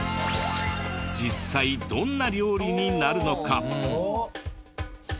実際どんな料理になるのか？